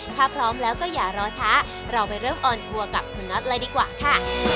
ถ้าพร้อมแล้วก็อย่ารอช้าเราไปเริ่มออนทัวร์กับคุณน็อตเลยดีกว่าค่ะ